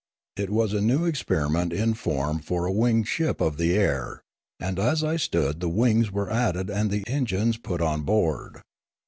It was a new experiment in form for a winged ship of the air, and as I stood the wings were added and the engines put on board.